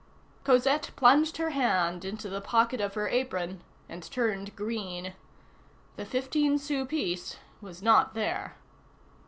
Cosette plunged her hand into the pocket of her apron, and turned green. The fifteen sou piece was not there.